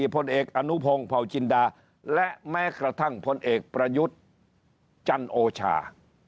พลเอกอนุพงศ์เผาจินดาและแม้กระทั่งพลเอกประยุทธ์จันโอชา